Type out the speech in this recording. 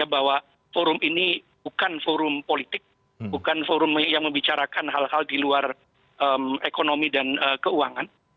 bahwa forum ini bukan forum politik bukan forum yang membicarakan hal hal di luar ekonomi dan keuangan